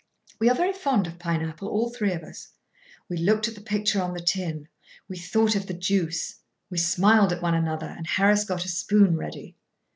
We are very fond of pine apple, all three of us. We looked at the picture on the tin; we thought of the juice. We smiled at one another, and Harris got a spoon ready.